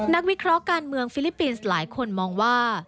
วิเคราะห์การเมืองฟิลิปปินส์หลายคนมองว่า